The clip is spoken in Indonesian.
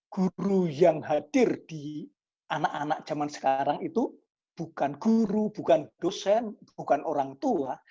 guru yang hadir di anak anak zaman sekarang itu bukan guru bukan dosen bukan orang tua